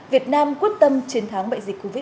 việt nam quyết tâm chiến thắng bại dịch covid một mươi chín